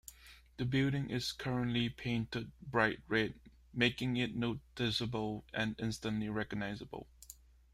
The building is currently painted bright red, making it noticeable and instantly recognizable.